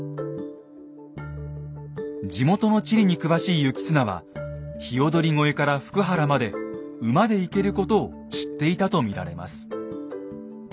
地元の地理に詳しい行綱は鵯越から福原まで馬で行けることを知っていたと見られます。